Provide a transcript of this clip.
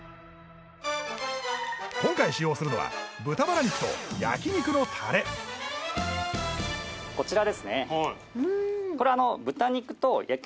今回使用するのは豚バラ肉と焼肉のタレこちらですね